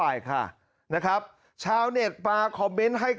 แถลงการแนะนำพระมหาเทวีเจ้าแห่งเมืองทิพย์